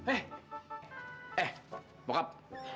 eh eh bokap